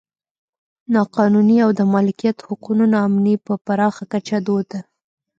نا قانوني او د مالکیت حقونو نا امني په پراخه کچه دود ده.